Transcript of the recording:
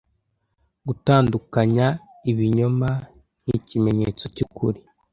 Gutandukanya ibinyoma nkikimenyetso cyukuri.